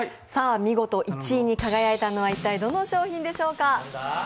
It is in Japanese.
見事１位に輝いたのは、どの商品でしょうか？